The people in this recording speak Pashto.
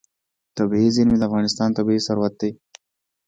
طبیعي زیرمې د افغانستان طبعي ثروت دی.